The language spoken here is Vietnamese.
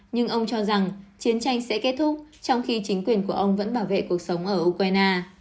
nhưng ông cho rằng chiến tranh sẽ kết thúc trong khi chính quyền của ông vẫn bảo vệ cuộc sống ở ukraine